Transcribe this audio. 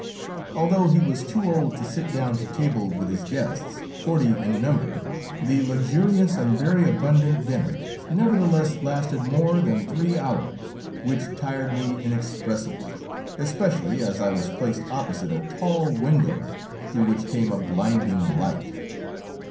Although he was too old to sit down to table with his guests, forty in number, the luxurious and very abundant dinner nevertheless lasted more than three hours, which tired me inexpressibly, especially as I was placed opposite a tall window through which came a blinding light.